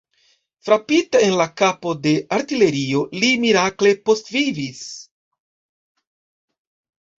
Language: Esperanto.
Frapita en la kapo de artilerio, li mirakle postvivis.